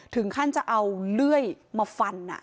ถึงขั้นจะเอาเลื่อยมาฟัน